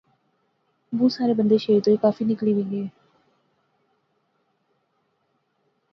بہوں سارے بندے شہید ہوئے، کافی نکلی وی گئے